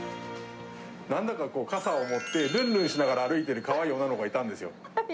なんだか傘を持って、るんるんしながら歩いている、かわいい女の子がいたんですよ。